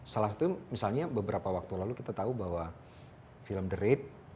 salah satu misalnya beberapa waktu lalu kita tahu bahwa film the rate